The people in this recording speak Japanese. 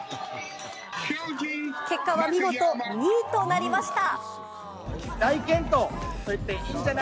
結果は見事２位となりました。